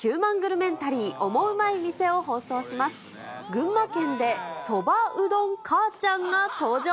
群馬県で、そばうどん母ちゃんが登場。